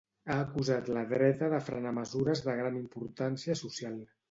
Ha acusat la dreta de frenar mesures de gran importància social.